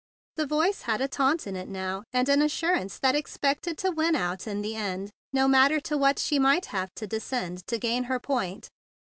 The voice had a taunt in it now, and an assurance that expected to win out in the end, no matter to what she might have to de¬ scend to gain her point.